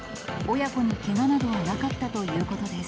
親子にけがなどはなかったということです。